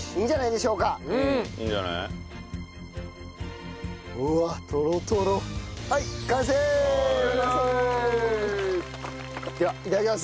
ではいただきます。